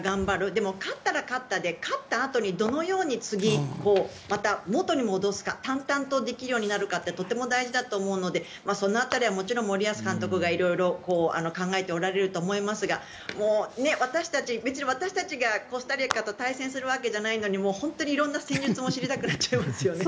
でも、勝ったら勝ったで勝ったあとにどのように次、また元に戻すか淡々とできるようになるかってとても大事だと思うのでその辺りはもちろん森保監督が、いろいろ考えておられると思いますが別に私たちがコスタリカと対戦するわけじゃないのにもう本当にいろんな戦術も知りたくなっちゃいますよね。